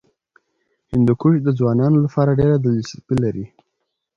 هندوکش د ځوانانو لپاره ډېره دلچسپي لري.